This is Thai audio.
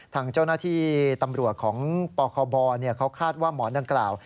ทางเจ้าหน้าที่ตำรวจของปคบเขาคาดว่าหมอนดังกล่าว